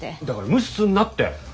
だから無視すんなって！